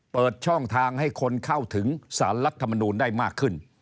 เปิดช่องทางให้คนเข้าถึงสารรัฐมนูลได้มากขึ้น